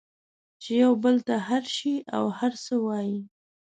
چې یو بل ته هر شی او هر څه وایئ